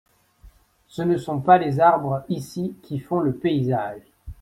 Ce ne sont pas les arbres ici qui font le paysage.